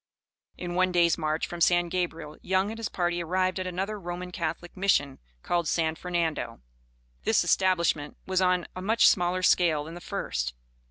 In one day's march from San Gabriel, Young and his party arrived at another Roman Catholic Mission, called San Fernando. This establishment was on a much smaller scale than the first.